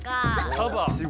サバ。